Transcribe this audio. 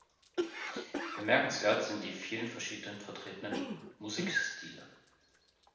Bemerkenswert sind die vielen verschiedenen vertretenen Musikstile.